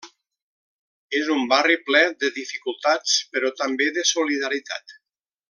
És un barri ple de dificultats però també de solidaritat.